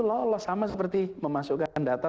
lolos sama seperti memasukkan data